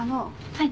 はい。